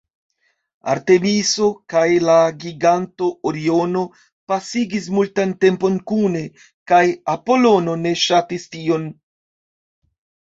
Artemiso kaj la giganto Oriono pasigis multan tempon kune, kaj Apolono ne ŝatis tion.